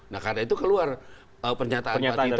nah karena itu keluar pernyataan dari kapolri